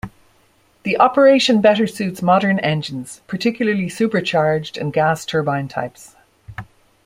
The operation better suits modern engines, particularly supercharged and gas turbine types.